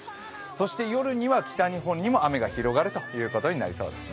そして夜には北日本にも雨が広がるということになりそうです。